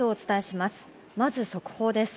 まず速報です。